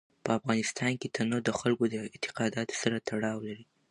په افغانستان کې تنوع د خلکو د اعتقاداتو سره تړاو لري.